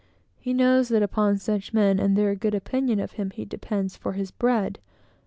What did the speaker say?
He knows that upon such men, and their good opinion of him, he depends for his bread.